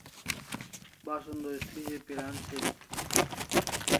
Basun o istrizah piran sin